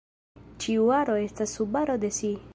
Ĉiu aro estas subaro de si.